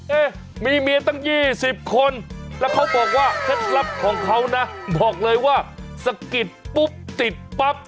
เอ๊ะมีเมียตั้ง๒๐คนแล้วเขาบอกว่าเคล็ดลับของเขานะบอกเลยว่าสะกิดปุ๊บติดปั๊บ